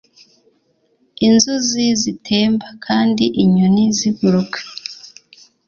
inzuzi zitemba kandi inyoni ziguruka